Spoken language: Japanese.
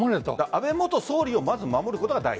安倍元総理をまず守ることが大事。